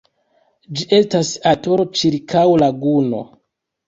Ĝi estas atolo ĉirkaŭ laguno.